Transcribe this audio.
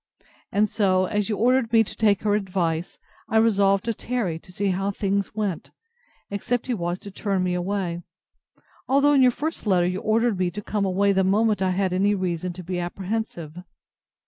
And so, as you ordered me to take her advice, I resolved to tarry to see how things went, except he was to turn me away; although, in your first letter, you ordered me to come away the moment I had any reason to be apprehensive.